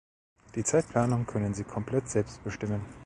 Die Zeitplanung können sie komplett selbst bestimmen.